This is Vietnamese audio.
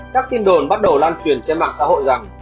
các tin đồn bắt đầu lan truyền trên mạng xã hội rằng